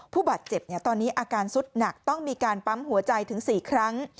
ผู้บาดเจ็บตอนนี้อาการสุดหนักต้องมีการปั๊มหัวใจถึง๔ครั้ง